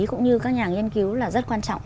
cũng như các nhà nghiên cứu là rất quan trọng